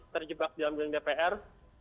terjebak di gedung dpr